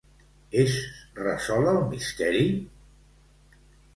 Es resol el misteri?